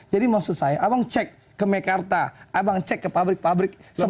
jadi maksud saya abang cek ke mekarta abang cek ke pabrik pabrik